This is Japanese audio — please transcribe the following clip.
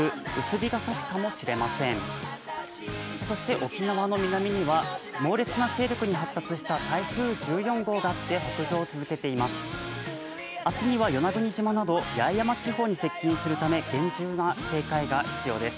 沖縄の南には猛烈な勢力に発達した台風１４号があって北上を続けています。